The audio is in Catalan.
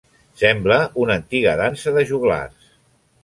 Sembla una antiga dansa de joglars.